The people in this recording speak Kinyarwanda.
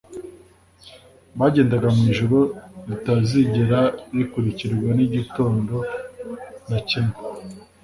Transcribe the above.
bagendaga mu ijoro ritazigera rikurikirwa n'igitondo na kimwe.